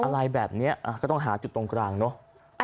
อะไรแบบนี้ก็ต้องหาจุดตรงกลางเนอะ